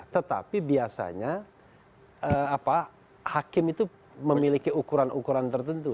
tetapi biasanya hakim itu memiliki ukuran ukuran tertentu